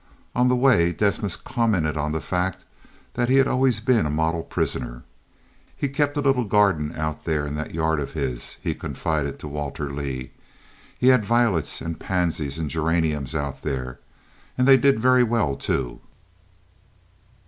On the way Desmas commented on the fact that he had always been a model prisoner. "He kept a little garden out there in that yard of his," he confided to Walter Leigh. "He had violets and pansies and geraniums out there, and they did very well, too."